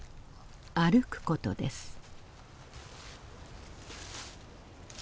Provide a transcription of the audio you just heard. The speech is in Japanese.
「歩く」ことです。